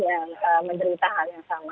yang mencerita hal yang sama